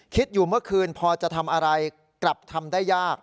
คิดอยู่เมื่อคืนพอจะทำอะไรกลับทำได้ยาก